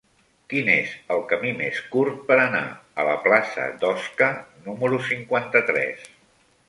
Quin és el camí més curt per anar a la plaça d'Osca número cinquanta-tres?